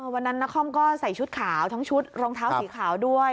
วันนั้นนักคล่อมก็ใส่ชุดขาวทั้งชุดรองเท้าสีขาวด้วย